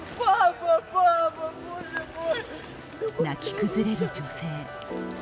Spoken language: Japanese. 泣き崩れる女性。